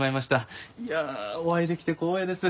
いやあお会いできて光栄です。